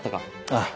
ああ。